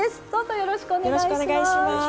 よろしくお願いします。